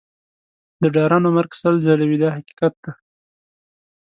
د ډارنو مرګ سل ځله وي دا حقیقت دی.